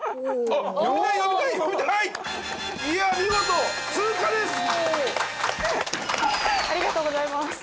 ありがとうございます！